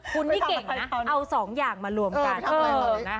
คุณนี่เก่งนะเอาสองอย่างมารวมกัน